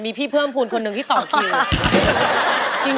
มีพี่เพื่อมพูนคนหนึ่งที่ต่อคิว